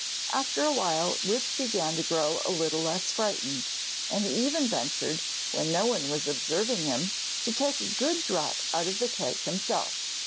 After a while Rip began to grow a little less frightened, and he even ventured, when no one was observing him, to take a good draught out of the keg himself.